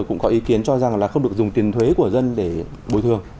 cũng có ý kiến cho rằng là không được dùng tiền thuế của dân để bồi thường